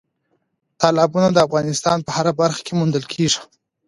تالابونه د افغانستان په هره برخه کې موندل کېږي.